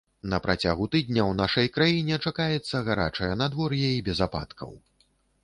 На працягу тыдня ў нашай краіне чакаецца гарачае надвор'е і без ападкаў.